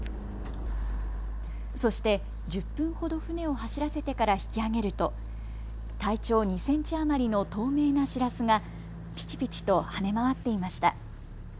そして１０分ほど船を走らせてから引き揚げると体長２センチ余りの透明なしらすがぴちぴちと跳ね回っていました。